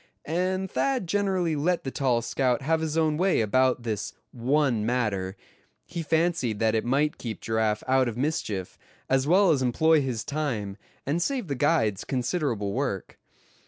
And Thad generally let the tall scout have his own way about this one matter; he fancied that it might keep Giraffe out of mischief; as well as employ his time, and save the guides considerable work.